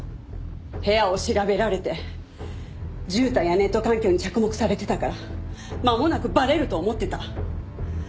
部屋を調べられて絨毯やネット環境に着目されてたからまもなくバレると思ってた。